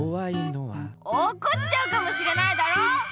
落っこちちゃうかもしれないだろ！